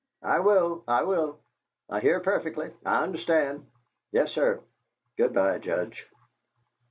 I will, I will. I hear perfectly, I understand. Yes, sir. Good bye, Judge."